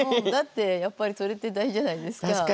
だってやっぱりそれって大事じゃないですか。